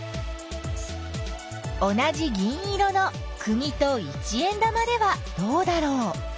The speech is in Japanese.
同じ銀色のくぎと一円玉ではどうだろう。